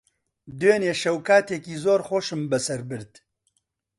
دوێنێ شەو کاتێکی زۆر خۆشم بەسەر برد.